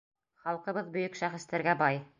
Халҡыбыҙ бөйөк шәхестәргә бай.